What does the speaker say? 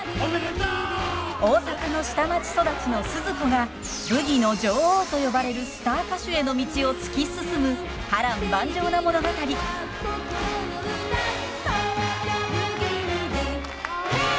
大阪の下町育ちのスズ子がブギの女王と呼ばれるスター歌手への道を突き進む波乱万丈な物語。へいっ！